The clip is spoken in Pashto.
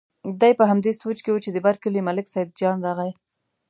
دی په همدې سوچ کې و چې د بر کلي ملک سیدجان راغی.